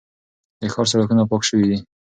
د ښار سړکونه پاک شوي دي.